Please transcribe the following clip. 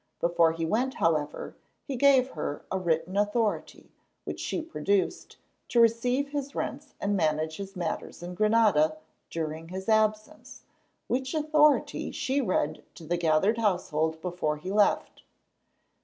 Before he went, however, he gave her a written authority, which she produced, to receive his rents and manage his matters in Granada during his absence, which authority she read to the gathered household before he left.